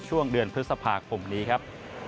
ช่วงเดือนพฤษภาคมนี้ครับ